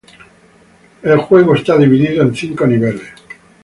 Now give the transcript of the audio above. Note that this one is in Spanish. El juego está dividido en cinco niveles.